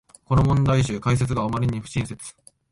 この問題集、解説があまりに不親切